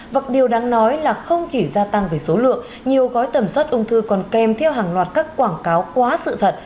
vật điều đáng nói là không chỉ gia tăng về số lượng nhiều gói tầm soát ung thư còn kèm theo hàng loạt các quảng cáo quá sự thật